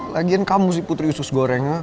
lagian kamu sih putri sus gorengnya